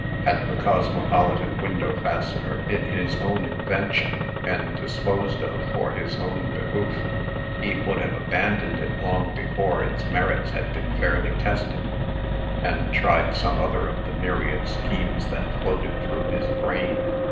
Had the "Cosmopolitan Window Fastener" been his own invention, and disposed of for his own behoof, he would have abandoned it long before its merits had been fairly tested, and tried some other of the myriad schemes that floated through his brain.